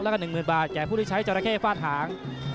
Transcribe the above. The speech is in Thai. แล้วก็๑๐๐๐บาทแก่ผู้ที่ใช้จราเข้ฟาดหาง